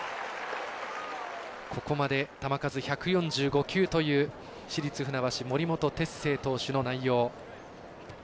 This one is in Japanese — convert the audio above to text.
ここまで、球数１４５球という市立船橋、森本哲星投手の内容。